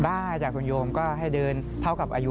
ได้จากคุณโยมก็ให้เดินเท่ากับอายุ